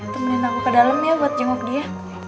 temenin aku ke dalam ya buat jenguk dia